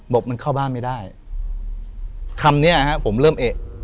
บอกมันเข้าบ้านไม่ได้คำเนี้ยฮะผมเริ่มเอก